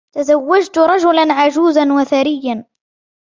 تزوجت رجلاً عجوزاً وثرياً.